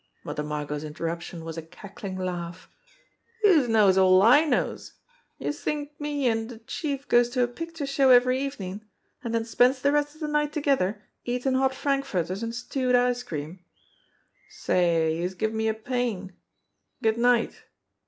Mother Margot's interruption was a cackling laugh. "Youse knows all I knows. Do youse t'ink me an' de Chief goes to a picture show every evenin', an' den spends de rest of de night together eatin' hot frankfurters an' stewed ice cream? Say, youse give me a pain! Good night!"